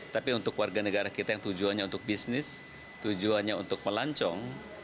tapi untuk warga negara kita yang tujuannya untuk bisnis tujuannya untuk melancong